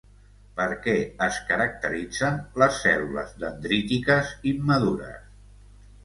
Per què es caracteritzen les cèl·lules dendrítiques immadures?